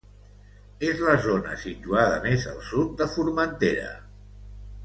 És la zona situada més al Sud de Formentera.